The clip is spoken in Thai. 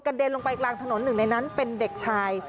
กระเด็นลงไปกลางถนน๑ในนั้นเป็นเด็กชาย